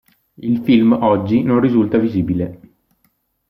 Il film oggi non risulta visibile.